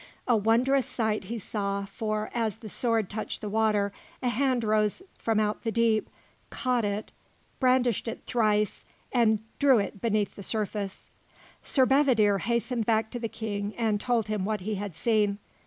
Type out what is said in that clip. A wondrous sight he saw for, as the sword touched the water, a hand rose from out the deep, caught it, brandished it thrice, and drew it beneath the surface. Sir Bedivere hastened back to the King and told him what he had seen.